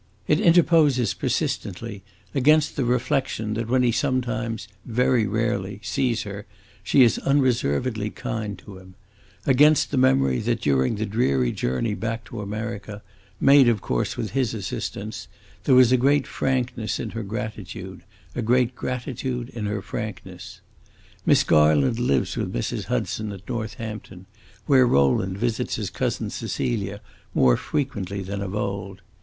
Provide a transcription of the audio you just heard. It interposes, persistently, against the reflection that when he sometimes very rarely sees her, she is unreservedly kind to him; against the memory that during the dreary journey back to America, made of course with his assistance, there was a great frankness in her gratitude, a great gratitude in her frankness. Miss Garland lives with Mrs. Hudson, at Northampton, where Rowland visits his cousin Cecilia more frequently than of old.